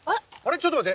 ちょっと待って。